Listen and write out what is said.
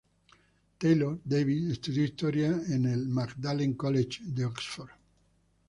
Taylor, Davies estudió historia en el Magdalen College, Oxford.